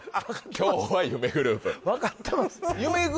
今日は夢グループ分かってます